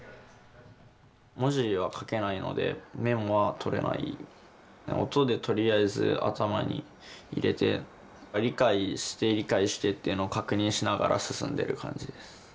文字は書けないのでメモは取れない、音でとりあえず頭に入れて、理解して理解してってのを確認しながら。